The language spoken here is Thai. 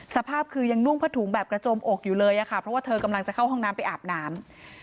สภาพคือยังนุ่งผ้าถุงแบบกระจมอกอยู่เลยค่ะเพราะว่าเธอกำลังจะเข้าห้องน้ำไปอาบน้ำ